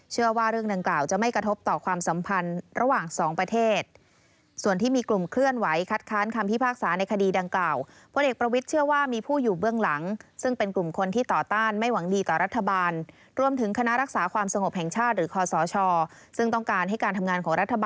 เชื่อว่าเรื่องดังกล่าวจะไม่กระทบต่อความสัมพันธ์